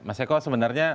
mas eko sebenarnya